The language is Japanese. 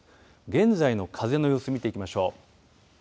現在の風の様子を見ていきましょう。